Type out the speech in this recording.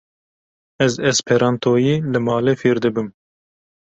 Ez esperantoyî li malê fêr dibim.